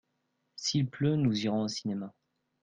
S'il pleut nous irons au cinéma.